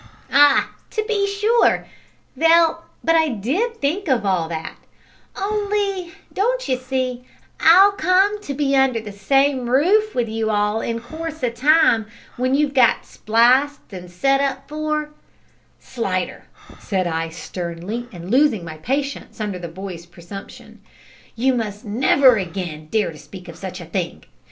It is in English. "Ah, to be sure! Vell, but I did think of all that, only, don't you see, I'll come to be under the same roof with you all in course o' time w'en you've got spliced an' set up for " "Slidder," said I sternly, and losing patience under the boy's presumption, "you must never again dare to speak of such a thing.